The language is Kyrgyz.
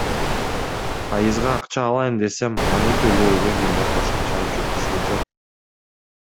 Пайызга акча алайын десем, аны төлөөгө менде кошумча жумушум жок.